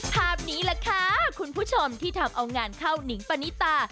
ภาพนี้แหละค่ะคุณผู้ชมที่ทำเอางานเข้านิงปณิตา